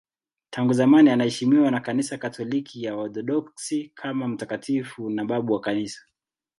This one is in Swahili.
Tangu zamani anaheshimiwa na Kanisa Katoliki na Waorthodoksi kama mtakatifu na babu wa Kanisa.